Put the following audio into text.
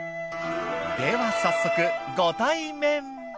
では早速ご対面。